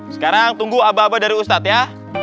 sekarang tunggu abah abah dari ustadz ya